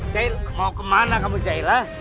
cair mau kemana kamu cair lah